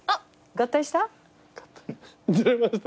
合体した？